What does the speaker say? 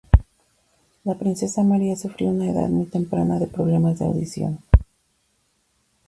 La princesa María sufrió a una edad muy temprana de problemas de audición.